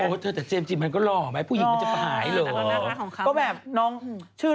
โอ้โฮเธอแต่เจมส์จีมมันก็รอไหมผู้หญิงมันจะไปหายหรือ